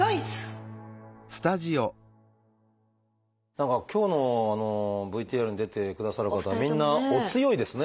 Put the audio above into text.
何か今日のＶＴＲに出てくださる方みんなお強いですね